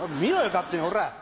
勝手にほら。